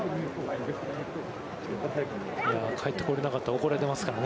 かえってこれなかったら怒られますからね。